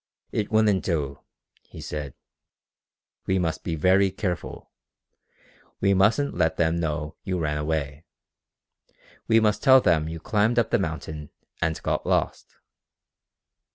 "It wouldn't do," he said. "We must be very careful. We mustn't let them know you ran away. We must tell them you climbed up the mountain, and got lost."